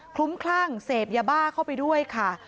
ลุ้มคลั่งเสพยาบ้าเข้าไปด้วยค่ะ